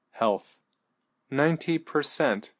=Health.= Ninety per cent.